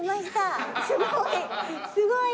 すごい！